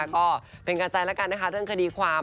ก็เป็นการใจละกันนะคะเรื่องคดีความ